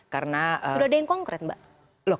karena sudah ada yang konkret mbak